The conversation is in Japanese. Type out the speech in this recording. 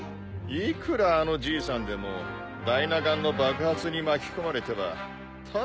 いくらあのじいさんでもダイナ岩の爆発に巻き込まれてはただじゃ済まんでしょう。